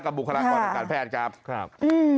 กับบุคลากรรมการแพทย์ครับ